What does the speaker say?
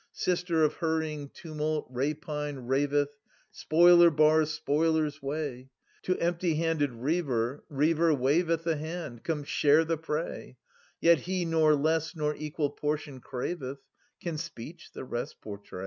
19 ^^■■^^"^■■•^^■■■■■(•■■i^Bi^^iP' Sister of hurrying tumult, rapine raveth : Spoiler bars spoiler's way : To empty handed reiver reiver waveth A hand —* Come, share the prey !* Yet he nor less nor equal portion craveth — Can speech the rest portray